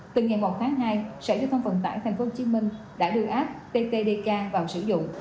từ ngày một tháng hai sở dự phong phần tải tp hcm đã đưa app ttdk vào sử dụng